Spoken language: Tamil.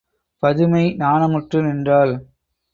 பதுமை நாணமுற்று நின்றாள்.